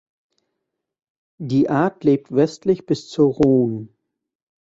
Die Art lebt westlich bis zur Rhone.